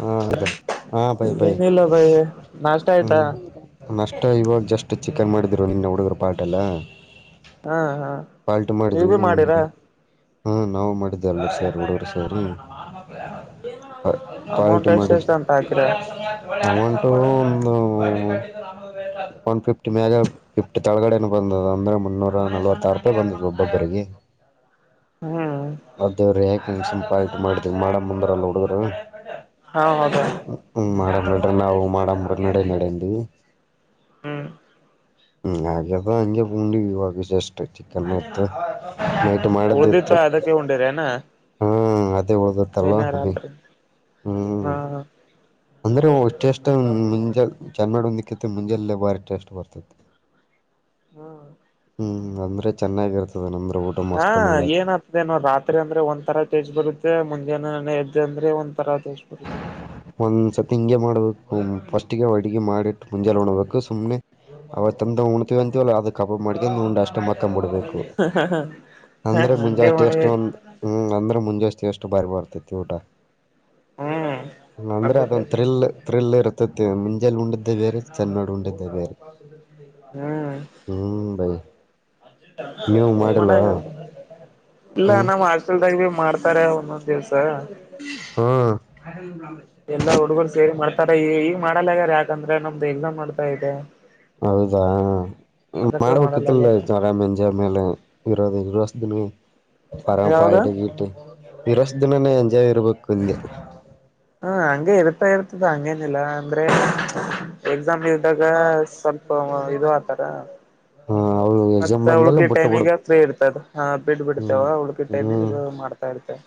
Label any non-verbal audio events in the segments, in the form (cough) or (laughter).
ಹಾ (unintelligible) ಹಾ ಪೈ ಪೈ ಏನಿಲ್ಲ ಭಯ ನಾಷ್ಟ ಆಯ್ತಾ ಹ್ಮ್ ನ ಅಷ್ಟು ಇವಾಗ ಜಸ್ಟ್ ಚಿಕನ್ ಮಾಡಿದ್ದರು ನಿನ್ನ ಹುಡುಗರು ಪಾಟ್ೆಲ್ಲ ಹಾ ಹಾ ಪಾಲ್ಟು ನೀವ್ ಭಿ ಮಾಡ್ದೀವಿ ಮಾಡಿರಾ ಉಂಡಿಗೆ ಹಾ ನಾವು ಮಾಡಿದ್ದ ಎಲ್ಲ ಸೇರಿ ಹುಡುಗರು ಸೇರಿ ಪಾಲ್ಟ್ ಅಮೌಂಟ್ ಎಷ್ಟ ಎಷ್ಟ ಮಾಡಿದ್ವಿ ಅಂತ ಅಕಿರ ಅಮೌಂಟು ಒಂದು ಒನ್ ಫಿಫ್ಟಿ ಮ್ಯಾಗ ಫಿಫ್ಟಿ ತಳಗಡೆನು ಬಂದದ ಅಂದ್ರೆ ಮುನ್ನೂರ ನಲವತ್ತ ಆಾರು ರೂಪಾಯಿ ಬಂದದ ಒಬೊಬ್ಬರಿಗೆ ಹ್ಮ್ ಹ (inaudible) ಅ ದೇವ್ರಿ ಯಾಕನ್ ಸಂಪ ಆತ ಮಾಡಿದವಿ ಮಾಡ ಮುಂದ್ರಲ್ಲ ಹುಡುಗರು ಹಾ ಹೌದಾ ಹ್ಮ ಮಾಡನ್ ನ (unintelligible) ಡ್ರಿ ನಾವು ಮಾಡಂಬ್ರ ನಡ ನಡಂಡಿ ಹ್ಮ್ ಹ್ಮ ಅಗದ ಅಂಗೆ (unintelligible) ಪೂಂಡಿ ವಿಾಗ ಇಷ್ಟ ಚಕ್ಕನ್ ಮತ್ತು ಉಳದಿಿತಾ ಅದಕ್ಕೆ ಉಂಡಿರೆನಾ ಉಳಿದಿತ್ತಲ್ಲ ಅಭಿ ರಾತ್ರಿ ಹ್ಮ್ ಹಾ ಅಂದ್ರೆ ಟೇಸ್ಟ್ ಮುಂಜೆ ಚೆನ್ನ ಮಾಡಿ ಒಂದಕ್ಕ ಮುಂಜೆಲ್ಲೆ ಭಾರಿ ಟೇಸ್ಟ್ ಬರ್ತತಿ ಹ್ಮ ಹ್ಮ್ ಅಂದ್ರೆ ಚೆನ್ನಾಗಿ ಇರ್ತದ ಅಂದ್ರೆ ಊಟ ಹಾ ಮಸ್ತ್ ಮಾಡಕ್ ಏನ ಇದೇ ರಾತ್ರಿ ಅಂದ್ರೆ ಒಂತರ ಟೇಸ್ಟ್ ಬರುತ್ತೆ ಮುಂಜಾನೆ ಎದ್ಧೆ ಅಂದ್ರೆ ಒಂದ್ ತರ ಟೇಸ್ಟ್ ಬರುತ್ತೆ ಒಂದ್ಸತಿ ಹಿಂಗೆ ಮಾಡ್ಬೇಕು ಫಸ್ಟ್ಿಗೆ ಅಡುಿಗೆ ಮಾಡಿಟ್ಟು ಮುಂಜೆ ಹೊಣಬೇಕು ಸುಮ್ನೆ ಅವತ್ಂದ ಉಣ್ತೀವಿ ಅಂತೀವಲ್ಲ ಅದ ಕಬಾಬ್ ಮಾಡಿಕೊಂಡ್ ಉಂಡ ಅ ಮಾಡ ಹಕ್ಂಬಿಡ್ಬೇಕು ಹ ಅಂದ್ರೆ ಮುಂಜಾ ಹಂಗೆ ಟೇಸ್ಟ್ ಮಾಡ್ಬೇಕ ಒಂದ್ ಹ್ಮ್ ಅಂದ್ರೆ ಮುಂಜಾನೆ ಅಷ್ಟು ಬಾರಿ ಬರ್ತೈತಿ ಊಟ ಹ್ಮ ಅಂದ್ರೆ ಅದೊಂದ್ ತ್ರಿಲ್ ಥ್ರಿಲ್ ಇರತೈತಿ ಮುಂಜೆೆಯಲ್ಲಿ ಉಂಡಿದ್ದೆ ಬೇರೆ ಚೆನ್ನಡ ಉಂಡಿದ್ದ ಬೇರೆ ಹ್ಮ್ ಹ್ಮ್ ಬೈಿ ಇಲ್ಲ ಹ್ಮ್ ನ್ ಆ (unintelligible) ಮಾಡ್ತಾರ ಒಂದೊಂದ್ ದಿವ್ಸ ಹ್ಮ ಎಲ್ಲಾ ಹುಡುಗರು ಸೇರಿ ಮಾಡ್ತಾರ ಈ ಈಗ ಮಾಡಲ್ಲ ಯ್ಯಾರ ಯಾಕಂದ್ರೆ ನಮ್ದು ಎಕ್ಸಾಮ್ ಬರ್ತಾ ಇದೆ ಹೌದಾ ಅದಕ್ಕೆ ಮಾಡ್ಬೇಕಿತ್ತಲ್ಲ ಮಾಡಲ್ಲಗ್ಯಾರ ಆರಾಮ ಮೇಲೆ ಇ ಇ ವಷ ಪರ ಯಾವಾಗ ಪಳಿಟ್ಟ (unintelligible) ಇರೋಷ್ಟ ದಿನಾನೇ ಎಂಜಾಯ್ ಇರ್ಬೇಕು ಇಲ್ಲಿ ಹ್ಮ ಹಂಗೆ ಇರ್ತಾ ಇರ್ತದ ಹಂಗೇನಿಲ್ಲಾ ಅಂದ್ರೆ (inaudible) ಎಕ್ಸಾಮ್ ಇದ್ದಾಗ ಸ್ವಲ್ಪ ಇದು ಆತಾರ ಹ ಅವ್ರು ಎಕ್ಸಾಮ್ ಮತ್ತ ಬಂದಲ್ಲ ಉಳಿಕೆ ಬಿಟ್ಟ ಬಿಡು ಟೈಮಿಗ ಇರ್ತದ ಹ ಬಿಡ್ ಹ್ಮ್ ಬಿಡ್ತೇವಾಗ ಉಳಿಕೆ ಟೈಮಿ ಮಾಡ್ತಾ ಇರ್ತೆವೆ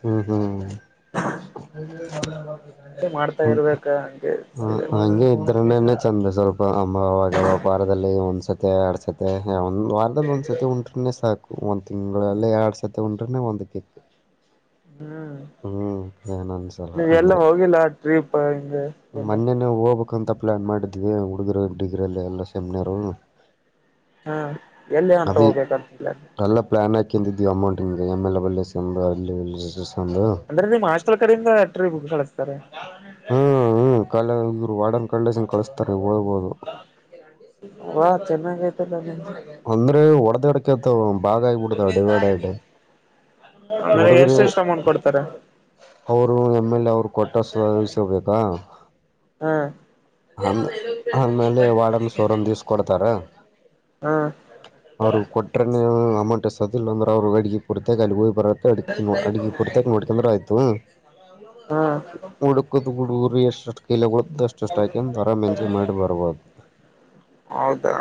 ಹ್ಮ ಹ್ಮ ಹಾ (unintelligible) ಹೌದ (inaudible) ಮಾಡ್ತಾ ಇರ್ಬೇಕಾ ಹಂಗೆ ಹ ಹಂಗೆ ಇದ್ರೇನೆ ಚಂದ ಸ್ವಲ್ಪ ಅ ಅವಾಗ ಅವ ವಾರದಲ್ಲಿ ಒಂದ್ಸತಿ ಎರಡ್ ಸತಿ ಮ ಒಂದ್ ವಾರದಲ್ಲಿ ಒಂದ್ಸತಿ ಉಂಟ್ರೆನೆ ಸಾಕು ಒಂದ್ ತಿಂಗಳಗಳಲ್ಲಿ ಎರಡ್ ಸತಿ ಉಂಡ್ರನೆ ಒಂದ್ ಕಿಕ್ ಹ್ಮ್ ಹ್ಮ್ ಏನ್ ಅನ್ಸಲ್ಲ ನೀವೆ ಎಲ್ಲ ಅಂದ್ರೆ ಹೋಗಿಲ್ಲ ಟ್ರಿಪ್ ಹಿಂಗೆ ಎಲ್ಲ ಇನ್ನ ಹೋಗ್ಬೇಕು ಕ್ಕಂತ ಪ್ಲ್ಾನ್ ಮಾಡಿದ್ದೀವಿ ಹುಡುಗರು ಡಿಗ್ರಿಯಲ್ಲಿ ಎಲ್ಲ ಸೇಮ್ನರು ಹಾ ಎಲ್ಲಿ ಅಂತ ಅದೇ ಹೋಗ್ಬೇಕಂತ ಎಲ್ಲ ಪ್ಲಾನ್ ಹಾಕೊಂಡಿದೀವಿ ಅಮೌಂಟ್ಿಗೆ ಎಮೆಲ್ಲ ಬಳ್ಳಕ ಅಲ್ಲಿ ಇಲ್ಲಿ ಅಂದ್ರೆ ನೀಮ್ ಹಾಸ್ಟೆಲ್ ಕಡೆ ಇಂದ ಟ್ರಿಪ್ ಗೆ ಕಳಿಸ್ತಾರ ಹ್ಮ್ ಹ್ಮ್ ಕ ಇವರು ವಾಡನ್ ಕಡೆ ಇಂದ ಕಳಿಸತಾರೆ ಹೋಗ್ಬೋದು ವಾ ಚೆನ್ನ ಗಯತಲ್ಲ ಅಂದ್ರೆ ಒಡದಡೆ ಬಾಾಗ ಆಿ ಕೊಡ್ತ ಡಿಿವೈಡ್ ಆು ಅಂದ್ರೆ ಉಡುಗ್ರ ಎಷ್ಟ ಎಷ್ಟ್ ಅಮೌಂಟ್ ಕೊಡ್ತಾರ ಅವರು ಎಮ್ ಎಲ್ ಎ ಅವ್ರು ಕೊಟ್ಟ ಸಿಸಬೇಕಾ ಹಾ ಅೇ ಆಮೇಲೆ ವಾರ್ಡನ್ ಸರ್ ಒಂದ್ ದಿವ್ಸ ಕೊಡ್ತಾರ ಹ ಅವ್ರು ಕೊಟ್ರನೆೇ ಅಮೌಂಟ್ ಎಸೋದಿಲ್ಲ ಅಂದ್ರೆ ಅವ್ರರು ಅಡಿಗೆ ಕುೂರ್ತ ಅಲ್ಲಿ ಹೋಗ್ ಬರತ್ತ ಅಡ್ಿ ಅಡಗ ಪುರ್ತ ನೋಡ್ಕಂದ್ರ ಆಯ್ತು ಹಾ ರಿ ಎಷ್ಟ ಕಲ ಅಷ್ಟು ಕರ ಮೆಂಚಿ ಮಾಡಿ ಬರ್ಬೋದು ಹೌದಾ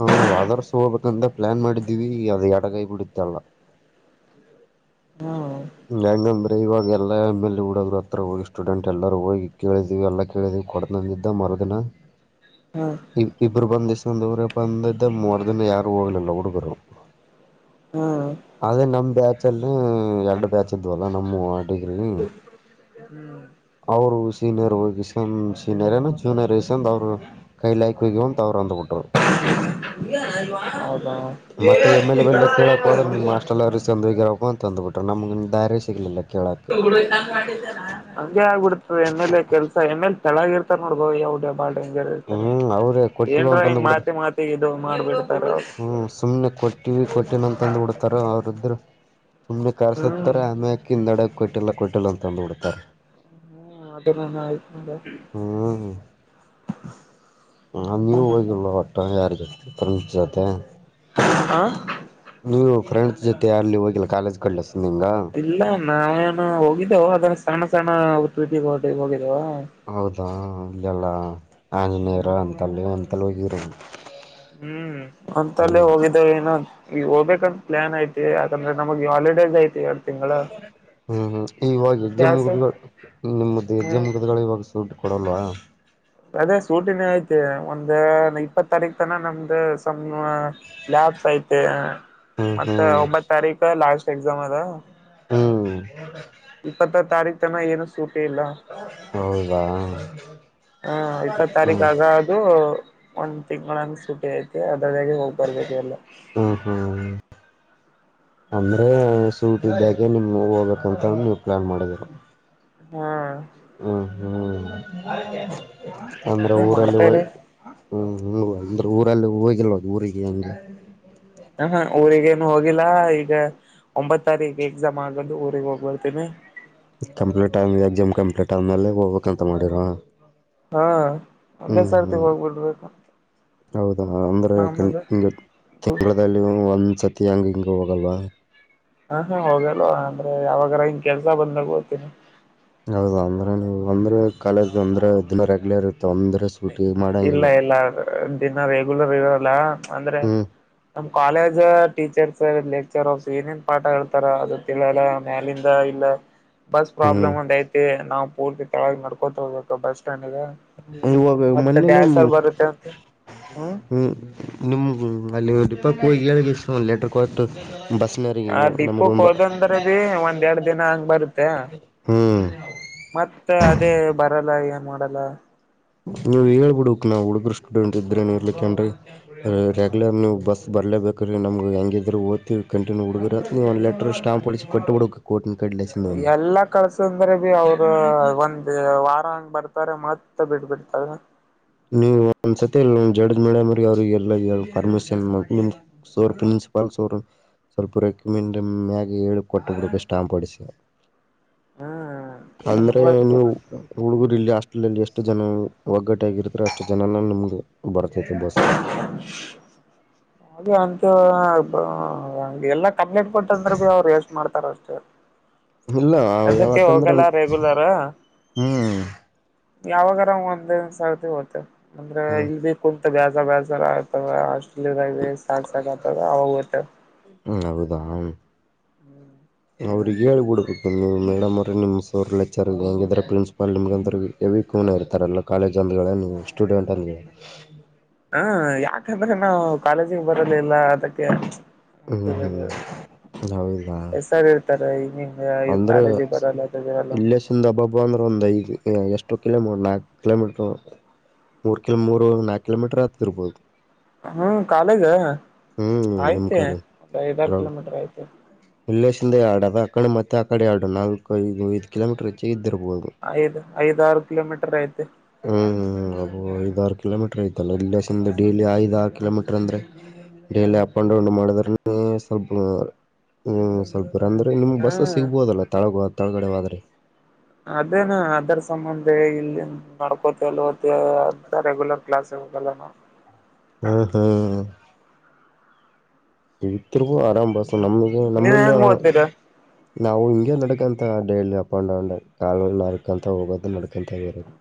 ಹಾ ವಾದಾರ್ಸ ಹೋಗಬೇಕಂತ ಪ್ಲಾನ್ ಮಾಡಿದೀವಿ ಅದ ಎಡಗೈ ಬಿಡತ್ತ ಅಲ್ಲಾ ಹ್ಮ ಇಂಗ ಇವಾಗ ಎಲ್ಲ ಎಮ್ ಎಲ್ ಹಡೋ್ ಹತ್ರ ಹೋಗಿ ಸ್ಟೂಡೆಂಟ್ ಎಲ್ಲರೂ ಹೋಗಿ ಕೇಳಿದಿವವಿ ಎಲ್ಲ ಕೇಳಿದೀವಿ ಕಡ ನಂದಿದ್ದ ಮರದಿನ ಹಾ ಇ ಇಬ್ರು ಬಂದಿಸ್ಂದ್ರ ಬಂದಿದ್ದ ಮೂರ್ ದಿನ ಯಾರು ಹೋಗ್ಲಿಲ್ಲ ಹುಡುಗರು ಹಾ ಅದೇ ನಮ ಬ್ಯಾಚ್ ಅಲ್ಲಿ ಎರಡು ಬ್ಯಾಚ್ ಇದ್ವಲ್ಲ ನಮ್ಮ ಆಟಗ್ರಿ ಹ್ಮ್ ಅವರು ಸೀನಿಯರ್ ವಕಿಸನ್ ಜೀನಿಯರ್ ಏ ಜೂನಿಯರ್ಸ್ ಅಂದ ಅವ್ ಕೈ ಲಾಕ್ ಹೋಗಿ ಅಂತ ಅವರು ಅಂದ್ಬಿಟ್ಟರು ವ ಹದ ಮತ್ತೆ ಎಮ ಎಲೆ ಬೆಲೆ ಕೇಳಕ್ೋದ್ರೆ ನಿಮ್ಮ ಅಷ್ಟ ಎಲ್ಲ ರಿ ಚಂದ್ರಗ ಇರಕ್ ಅಂತ ತಂದು್ಬಿಟರು ನಮಗೆ ದಾರಿ ಸಿಗಲಿಲ್ಲ ಕೇಳೋಕ್ಕೆ ಹಗೆ ಆಗ್ಬಿಡ್ತದೆ ಎಮೇಲೆ ಕೆಲ್ಸ ಎಮ್ಮೇಲೆ ತೆಳಗ ಇರ್ತಾರ ನೋಡ್ಬೋ ಯಾವ ಬಾಳ ಡಂಜರ್ ಇರ್ತಾರೆ ಹ್ಮ್ ಅವ್ರೇ ಕೊಟ್ಟಿವ ಏನ್ರಾ ಹಿಂಗ್ ಮಾತೆ ಮಾತಿ ಇ ಮಾಡ್ಬೇಡ ಹ್ಮ ಸುಮ್ನೆ ಕೊಟ್ಟಿವ ಕೊಟ್ಟಿನ ಅಂತಂದ್ ಬಿಡ್ತಾರ ಅವ್ರ ಇದರು ಸುಮ್ನೆ ಹ್ಮ್ ಕಾರ್ಸುತ್ತಾರೆ ಆಮೇಕ ಹಿಂದಡ ಕೊಯಟ್ಟಿಲ್ಲ ಕೊಟ್ಟಿಲ್ಲ ಅಂತಂದು್ ಬಿಿಡ್ತಾರೆ ಹ್ಮ ಅದ ನ ಆಯ್ತು ನೋ ಹಾ ಹ ನೀವ್ ಹೋಗಿಲ್ ಹೊಟ್ಟ ಯಾರಿಗಮತೆ ಹ ನೀವು ಫ್ರೆಂಡ್ಸ್ ಜೊತೆ ಯಾರಲ್ಲಿ ಹೋಗಿಿಲ್ಲ ಕಾಲೇಜ್ ಕಡ್ಿಸ ನಿಿಂಗ ಇಲ್ಲ ನಾವೇನು ಹೋಗಿದ್ದೇವು ಅದನ್ನ ಸಣ್ಣ ಸಣ ೀಟ ಹೊ ಹೋಗಿದ್ದೇವ ಹೌದಾ ಇದೆಲ್ಲ ಆಂಜನೇಯರು ಹ್ಮ್ ಅಂತಲ್ಲ ಅಂತಲ್ಲ ಹೋಗಿರೋದು ಹ್ಮ್ ಅಂತಲ್ಲೇ ಹೋಗಿದ್ದೇಾವ ಏನು ಈಗ ಹೋಗಬೇಕಂತ ಪ್ಲಾನ್ ಯಐತಿ ಯಾಕಂದ್ರೆ ನಮಗೆ ಹಾಲಿಡೇಸ್ ಐತಿ ಹೇ ಹ್ಮ್ ಹ್ಮ್ ಇವಾಗ ಹೆಜ್ಜೆ ಬ್ಯಾಸ ಮುಗಗಳು ನಿಮ್ಮ್ದ ಹೆಜ್ಜೆ ಹ್ಮ್ ಮುಗತಗಳು ಇವಾಗ ದುಡ್ಡು ಕೊಡೋಲ್ವಾ ಅದೇ ಸೂಟಿನ ಐತಿ ಒಂದ್ ಇಪ್ಪತ್ ತಾರೀಕ್ ತನ ನಮ್ದ ಸಮ್ ಲ್ಯಾಬ್ಸ್ ಐತೆ ಹ್ಮ್ ಮತ್ತ ಹ್ಮ್ ಒಂಬತ್ ತಾರೀಕ ಲಾಸ್ಟ್ ಎಕ್ಸಾಮ್ ಅದ ಹ್ಮ್ ಇಪ್ಪತ್ತ ತಾರೀಖ ತನ ಏನು ಸೂಟಿ ಇಲ್ಲ ಹೌದಾ ಹ್ಮ ಇಪ್ಪತ್ ತಾರೀಕ ಹ್ಮ್ ಅದ ಅದು ಒಂದ್ ತಿಂಗಳಂಗ ಸುಟಿ ಐತಿ ಅದ್ರದಾಗಿೆ ಹೋಗ್ ಬರ್ಬೇಕು ಎಲ್ಲ ಊ ಉ ಅಂದ್ರೆ ಸೂಟ್ ಇದ್ದಾಗೆ ನಿಮ್ ಹೋಗ್ಬೇಕಂತ ನೀವು ಪ್ಲಾನ್ ಮಾಡಿದರ ಹಾ ಹ್ಮ್ ಹ್ಮ್ ಅಂದ್ರೆ ಅದೇ ಊರಲ್ಲಿ ಹ ಮಾಡ್ತಾರಿ ಹ್ಮ್ ಹಂಗ ಅಂದ್ರ ಊರಲ್ಲಿ ಹೋಗಿಲ್ವ ಊರಿಗೆ ಹಾಗೇ ಹ ಊರಿಗೇನು ಹೋಗಿಲ್ಲಾ ಈಗ ಒಂಬತ್ ತಾರೀಕ ಎಕ್ಸಾಮ್ ಆಗೊಂಡು ಊರಿಗೆ ಹೋಗ್ಬರ್ತೀನಿ ಕಂಪ್ಲೀಟ್ ಆ ಎಕ್ಸಾಮ್ ಕಂಪ್ಲೀಟ್ ಆದ್ಮೇಲೆ ಹೋಗ್ಬೇಕು ಅಂತ ಮಾಡಿರ ಹಾ ಅಂದೇ ಹ್ಮ್ ಸರ್ತಿ ಹ್ಮ್ ಹೋಗ್ಬಿಡ್ಬೇಕಾ ಹೌದಾ ಅಂದ್ರೆ ಯಕ ಹಿಂಗ ತಿಂಗಳದಲ್ಲಿ ಒಂದ್ಸತಿ ಹಂಗ ಹಿಂಗ ಹೋಗಲ್ವಾ ಹಾ ಹಾ ಹೋಗಲ್ ಅಂದ್ರೆ ಯಾವಾಗ್ರ ಹಿಂಗ್ ಕೆಲ್ಸ ಬಂದಾಗ ಹೊತ್ತಿನಿ ಹೌದ ಅಂದ್ರೆ ಒಂದ್ರೆ ಕಾಲೇಜ್ ಒಂದ್ರೆ ದಿನ ರೆಗ್ಯುಲರ್ ಇತ ಒಂದ್ರೆ ಇಲ್ಲ ಇಲ್ಲ ದಿನ ರೆಗ್ಯುಲರ್ ಇರಲ್ಲ ಅಂದ್ರೆ ಹ್ಮ್ ನಮ್ ಕಾಲೇಜ್ ಟೀಚರ್ಸ್ ಲೆಕ್ಚರ್ಸ್ ಏನೇನ್ ಪಾಠ ಹೇಳ್ತಾರ ತಿಳಿಯೇಲ ಮೆಲಿಂದ ಇಲ್ಲ ಬಸ್ ಹ್ಮ್ ಪ್ರಾಬ್ಲಮ್ ಒಂದ ಐತಿ ನಾವು ಪೂರ್ತಿ ತಳವಾಗಿ ನಡ್ಕೋತ ಹೋಗ್ಬೇಕ ಬಸ್ ಸ್ಟ್ಯಾಂಡ್ಗ ಇವಾಗ ಮತ್ತೆ ಮೊನ್ನೆ ಡ್ಯಾನ್ಸರ್ ನಿಮವು ಬರುತ್ತೆ ಅಂತ ಹ್ಮ್ ನಿಮ್ ದೀಪೋಕೇ ಹೋಗಿ ಒಂದು ಲೆಟರ್ ಕೊಟ್ಟು ಆ ಡಿಪೋಕ್ ಹೋದಂದ್ರ ಭೀ ಒಂದ್ ಎರಡ್ ದಿನ ಹಂಗ್ ಬರುತ್ತೆ (unintelligible) ಮತ್ತ ಅದೇ ಬರಲ್ಲ ಏನ್ ಮಾಡಲ್ಲ ನೀವು ಹೇಳಿಬಿಡಬೇಕು ನಾವು ಹುಡುಗರು ಸ್ಟೂಡೆಂಟ್ ಇದಿವಿ ನೀವು ಇರಲು ಕೆನ್ರಿ ರೆ್ಯುಲರ್ ನೀವು ಬಸ್ ಬರ್ಲೇಬೇಕು್ರೀ ನಮ್ಗೆ ಹೆಂಗಿದ್ರು ಓದ್ೀವಿ ಕಂಟನ್ೂ ಹುಡುಗ್ರ ಅಂತ ನೀವು ಒಂದು ಲೆಟಟ್ರ್ ಸ್ಟಾಂಪ್ ಹೊಡಿಸಿ ಕೊಟ್ಟಿಬಿದ್ಬೇಕು ಕೋಟ್ ಕಡೆಯಿಂದ ಎಲ್ಲಾ ಕಳ್ಸ ಅಂದ್ರೆ ಬಿ ಅವ್ರ ಒಂದ ವಾರ ಹಂಗ್ ಬರ್ತಾರೆ ಮತ್ತ ಬಿಟ್ ಬಿಡ್ತಾರೆ ನೀವ ಒಂದ್ಸ ಇಲ್ಲ ಜಡ್ಜ್ ಮಾಡ್ಯ ಮ್ರ ಅವ್ರಿಗೆ ಎಲ್ಲ ಪರ್ಮಿಷನ್ ಸೋರ್ ಪ್ರಿನ್ಸಿಪಾಲ್ ಸೋರು ಸ್ವಲ್ಪ ರೆಕಮೆಂಡ್ ಮ್ಯಾಗೆ ಏಳು ಕೊಟ್ಟುಪೆ ಸ್ಟಾಂಪ್ ಹೊಡಿಸಿ ಹ್ಮ್ ಅಂದ್ರೆ ನೀವು ಹುಡುಗೂರು ಇಲ್ಲಿ ಹಾಸ್ಟೆಲ್ಲ್ಲಿ ಎಷ್ಟು ಜನ ಒಗ್ಗಟ್ಟ ಆಗಿರ್ತಾರೆ ಅಷ್ಟು ಜನನ ನಮಗೆ ಬರ್ತೈತಿ ಬಸ್ ಅದೇ ಅಂತ ಎಲ್ಲ ಕಂಪ್ಲೀಟ್ ಕೊಟ್ಟಂದ್ರೆ ಭೀ ಅವ್ರು ಯಷ್ಟು ಮಾಡ್ತಾರ ಅಷ್ಟೇ ಇಲ್ಲ ಅದಕ್ಕೆ ಯಾವಕಂದ್ರೆ ಹೋಗಲ್ಲ ರೆಗ್ಯುಲರ ಹ್ಮ್ ಯಾವಾಗಾರ ಒಂದೊಂದ್ ಸರ್ತಿ ಹ್ ಅಂದ್ರೆ ಹ್ಮ್ ಇಲ್ ಕುಂತ ಬ್ಯಾಜ ಬ್ಯಾಜ ಆತದ ಹಸ್ಟೆಲ್ ಸಾಕ್ ಸಾಕ್ ಆತದ ಅವಾಗ ಹೋಗುತ್ತೇವೆ ಹೌದಾ ಹ್ಮ್ ಅವ್ರಿಗೆ ಹೇಳಿಬಿಡ್ಬೇಕು ನೀವು ಮೇಡಮ್ ಅವ್ರ ನಿಮ್ಮ ಅವ್ರ ಲೆಚರ್ ಹೆಂಗಿದ್ರ ಪ್ರಿನ್ಸಿಪಾ ನಿಮ್ಗೆ ಅಂದ್ರ ಎ ವಕ್ನ ಇರ್ತಾರಲ್ಲ ಕಾಲೇಜ್ ಅಂದ ನೀವು ಸ್ಟೂಡೆಂಟ್ ಅಂದ ಹಾ ಯಾಕಂದ್ರೆ ನಾವು ಕಾಲೇಜಿಗೆ ಬರಲಿಲ್ಲ ಅದಕ್ಕೆ ಹ್ಮ್ ಹ್ಮ್ೌದಾ ರ ಕಾಲೇಜಿಗೆ ಬರಲ್ಲಲ್ಲ ಚಂದ ಹಬ್ಬಬ್ಬ ಅಂದ್ರೆ ಒಂದು ಐದು ಎಷ್ಟು ಕಿಲೋಮೀ್ ನಾಲ್ಕು ಕಿಲೋಮೀಟರು ಮೂರ್ ಕಿಲ ಮೂ ನಾಕು ಕಿಲೋೀಟರ್ ಹತ ಇರ್ಬಹದು ಹ್ಮ್ ಕಾಲೇಜ ಹ್ಮ್ ನಿಮ್ ಆಯ್ತೆ ಒಬಐದಾರು ಕಿಲೋಮೀಟರ್ ಆಯ್ತೆ ವಿಲ್ಲೇಶಿಂದ ಆಡ ಆ ಕಡೆ ಮತ್ತೆ ಆ ಕಡೆ ಆಡು ನಾಲ್ಕುದು ಐದು ಕಿಲೋಮೀಟರ್ ಹೆಚ್ಚಿಗೆ ಇದ್ದಿರ್ಬಹುದು ಐದ್ ಐದ ಆಾರು ಕಿಲೋಮೀಟರ್ ಐತೆ ಹ್ಮ್ ಹ್ಮ ಅ ಐದ್ಾರರು ಕಿಲೋಮೀಟರ್ ಐತಲ್ಲ ಇಲ್ಲಿಸಂದ ಡೈಲಿ ಐದ ಆರು ಕಿಲೋಮೀಟರ್ ಅಂದ್ರೆ ಡೇಲಿ ಅಪ್ ಅಂಡ್ ಡೌನ್ ಮಾಡಿದ್ರ ಸ್ವಲ್ಪ ಸ್ವಲ್ಪಂದ್ರೆ ಹಾ ಸಿಗ್ಬೋುದಲ್ಲ ತಳಗ ತಳಗಡೆವಾದ್ರೆ ಅದೇನ ಅದರ ಸಂಬಂಧ ಇಲ್ಲಿ ನಡ್ಕೋತ ಅಲ್ ಅಂತ ರೆಗ್ಯುಲರ್ ಕ್ಲಾಸ್ ಹೋಗಲ್ಲ ನಾವು ಹ್ಮ್ ಹ್ಮ್ ವಿತ್ರಿಗ ಆರಾಮ್ ಪಾಸ ನಮಗ ನಮ್ಮ ನೀವ್ ಇನ್ನ ಹೆಂಗ್ ಓದ್ತೀರಾ ನಾವು ಹಿಂಗೆ ನಡ್ಕಂಥ ಡೈಲಿ ಅಪ್ ಆ್ಯಂಡ್ ಡೌನ್ ಕಾ ನರಕಂತ ಹೋಗೋದು ನಡ್ಕೊಂತ ಇರೋದು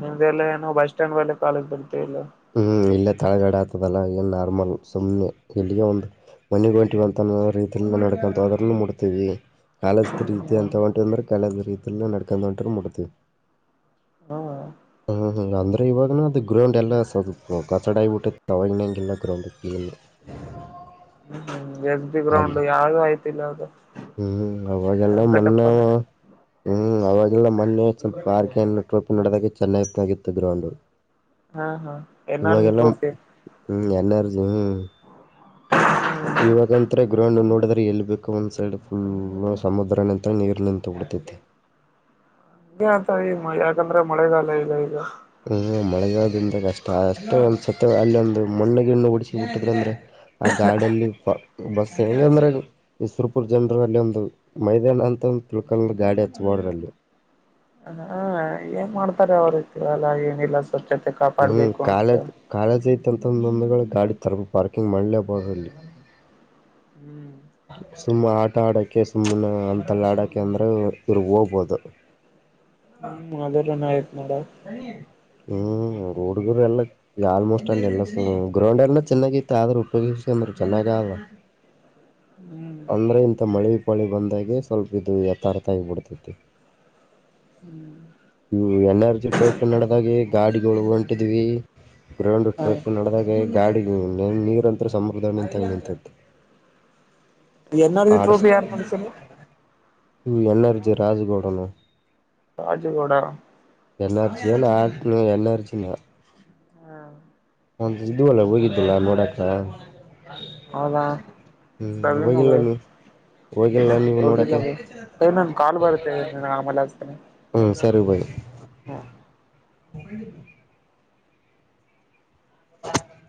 ನಿಮ್ದೆಲ್ಲ ಏನೋ ಬಸ್ ಸ್ಟ್ಯಾಂಡ್ ವೇಲೆ ಕಾಲೇಜ್ ಬರ್ತ ಇಲ್ಲ ಹ್ಮ ಇಲ್ಲೇ ತಳಗಡೆ ಆಗ್ತದಲ್ಲ ಏನು ನಾರ್ಮಲ್ ಸುಮ್ಮನೆ ಇಲ್ಲಿಯ ಒಂದು ಮನೆಗೆ ಹೊಂಟಿವ ಅಂತ ಅನ್ನೋ ರೀತಲ್ಲಿ ಮಡ್ಕಂತು ಅದ್ರ ಮುಡ್ತೀವಿ ಕಾಲೇಜದ ರೀತಿ ಹ್ಮ ಅಂತ ಹೊಂಟು ಅಂದ್ರೆ ಕಾಲೇಜದ್ ರೀತಿಯ ನಡ್ಕೊಂಡ ಹೊಂಟ್ರ ನಡ್ತೀವಿ ಹ್ಮ ಹ್ಮ ಅಂದ್ರೆ ಇವಾಗನ ಅದು ಗ್ರೌಂಡ್ ಎಲ್ಲ ಸೊ ಕಸಡ ಆಗಿಬಿಟ್ಟು ತಗನಂಗಿಲ್ಲ ಗ್ರೌಂಡ ಹ್ಮ್ ಹ್ಮ್ ಎಸ್ ಬಿ ಗ್ರೌಂಡ್ ಅಲ್ಲಿ ಯಾವು ಆಯ್ತಿಲ್ಲ ಅದು ಹ್ಮ್ ಅವಾಗಲ್ಲ ಮ್ಣಾವ ವೆಂಕಟಪ್ಪನ ಹ್ಮ್ ಅವಾಗೆಲ್ಲ ಮೊೆ ಸ್ವಲ್ಪ ಪಾರ್ಕ ಟ್ರಿಪ್ ನಡದಾಗ ಚೆನ್ನಾಗಿ ಆಗಿತ್ತು ಗ್ರೌಂಡ್ ಹಾ ಹಾ ಎನ್ ಆರ್ ಜಿ ಇವಾಗೆಲ್ಲ ಟ್ರೋಫಿ ಹ್ಮ್ ಎನಾರಜ ಹ್ಮ್ ಇವಾಗಂತ್ರ ಗ್ರೌಂಡ್ ನೋಡಿದ್ರೆ ಎಲ್ಲಿ ಬೇಕು ಒಂದ್ ಸೈಡ್ ಫುಲ್ ಸಮುದ್ರ ನಿಂತ ನೀರು ನಿಂತ ಬಿಡ್ತೈತಿ ಹ ಆತ ಈ ಯಾಕಂದ್ರೆ ಮಳೆಗಾಲ ಇಲ್ಲ ಈಗ ಹ್ಮ್ ಮಳೆಗಾಲದ್ರಿಂದ ಕಷ್ಟ ಅ ಅಷ್ಟೇ ಒಂದು್ ಸತ್ತ ಅಲ್ಲಿ ಒಂದು ಮಣ್ಣಗಿಣ್ಣು ಉುಡಿಸಿಬ ಬಿಟ್ಟಿದ್ರ ಅಂದ್ರೆ ಆ ಗಾಡಿಯಲ್ಲಿ ಬಸ್ ಂಗಂದ್ರೆ ಈಸರುಪುರ್ ಜನರು ಅಲ್ಲಿ ಒಂದು ಮೈದಾನ ಅಂತ ಒ ತಿಳ್ಕಲ್ ಗಾಡಿ ಹಚ್ಬಡ್ರ ಅಲ್ಲಿ ಾ ಏನ್ ಮಾಡ್ತಾರೆ ಅವ್ರತಿರಲ್ಲ ಏನಿಲ್ಲ ಸ್ವಚ್ಛತೆ ಹ್ಮ್ ಕಾಪಾಡ್ಬೇಕು ಅಂತ ಕಾಲೇಜ್ ಕಾಲೇಜ್ ಐತೆಂತೊಂದ ಗಾಡಿ ತರ ಪಾರ್ಕಿಂಗ್ ಮಾಡಲೇಬಹ ಅಲ್ಲಿ ಹ್ಮ್ ಸುಮ್ಮನೆ ಆಟ ಆಡೋಕ್ಕೆ ಸುಮ್ಮ್ನೆ ಅಂತಲ್ಲ ಆಡೋಕ್ಕೆ ಅಂದ್ರೆ ಇವ್ರಗ ಹೋಗ್ಬೋದು ಹ್ಮ್ ಮಾದರ ನ ಆಯ್ತ್ು ನಡ ಹ್ಮ್ ರೋಡ್ಗ ಎಲ್ಲ ಈ ಆಲ್ಮೋಸ್ಟ್ ಅಲ್ಲಿೆಲ್ಲ ಗ್ರೌಂಡ್ ಎಲ್ಲ ಚೆನ್ನಾಗಿತ್ತು ಆದ್ರೆ ಉಪಯೋಗಿಸಕಂದ್ರ ಚೆನ್ನಾಗ ಅ (inaudible) ಹ್ಮ್ ಅಂದ್ರೆ ಇಂಥ ಮಳೆ ಪಾಳಿ ಬಂದಾಗೆ ಸ್ವಲ್ಪ ಇದು ಯಥಾರ್ಥ ಆಗಿಬ ಬಿಡ್ತೈತಿ ಹ್ಮಞ ಇವು ಎನ್ ಆರ್ಜಿ ಟ್ರೈಫಿ ನಡೆದಾಗಿೆ ಗಾಡಿ ಒ ಹೊಂಟಿದ್ವಿ ಗ್ರೌಂಡ್ ಹ ಫಿ ನಡೆದಾಗ ಗಾಡಿ ನೀರಂತರ ಸಮ್ರದಂತ ನಿಂತದು ಎನ್ ಆರ್ ಜಿ ಟ್ರೋಫಿ ಯಾರು ಮಾಡ್ಸರಿ ಇ ಎನ್ರ್ಜಿ ರಾಜಜುಗೋಡನು ರಾಜಾಜಗೋಡ ಎನ್ನಾರ್ಜಿಯ ಆ ಎನ್ಾರ್ಜಿನಿನ ಹಾ ನ ಇದುವಲ್ಲ ಹೋಗಿದ್ದಲ್ಲಾ ನೋಡಾಕ ಹೌದಾ ಹ್ಮ್ಯಗನು ಹೋಗಿಲ್ಲವ ಏ ನನ್ ಕಾಲು ಬರುತ್ತೆ ಆಮೇಲೆ ಹತಾನನೆ ಹ್ಞೂ ಸರಿ ಬಾಯ್ ಹಾ ಹ ಹೂ